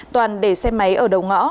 toàn để xe máy ở đầu ngõ